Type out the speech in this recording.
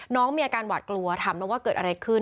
น้องมีอาการหวาดกลัวถามน้องว่าเกิดอะไรขึ้น